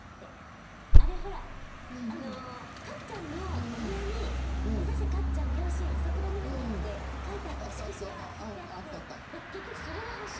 あれほらあのカッちゃんのお部屋に「めざせカッちゃん甲子園！浅倉南」って書いてあった色紙が貼ってあって結局それが欲しいって。